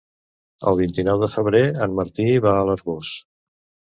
El vint-i-nou de febrer en Martí va a l'Arboç.